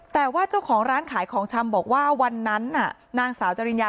แต่ว่าเจ้าของร้านขายของชำบอกว่าวันนั้นน่ะนางสาวจริญญา